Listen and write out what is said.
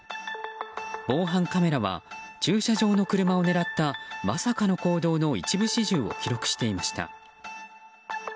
防犯カメラは駐車場のカメラを狙ったまさかの行動の一部始終を記録していました。